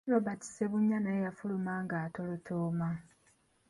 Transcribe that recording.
Robert Ssebunya naye yafuluma ng’atolotooma.